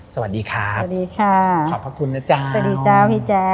สวัสดีค่ะสวัสดีค่ะ